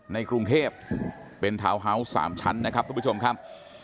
ในกรุงเทพฯเป็นเท้าเฮาส์สามชั้นนะครับทุกผู้ชมครับ